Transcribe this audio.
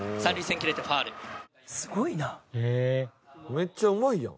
めっちゃうまいやん。